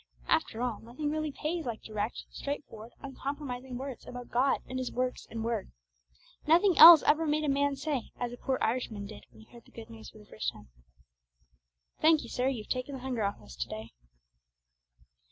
After all, nothing really pays like direct, straightforward, uncompromising words about God and His works and word. Nothing else ever made a man say, as a poor Irishman did when he heard the Good News for the first time, 'Thank ye, sir; you've taken the hunger off us to day!'